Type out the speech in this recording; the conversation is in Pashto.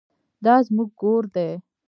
دا زموږ ګور دی؟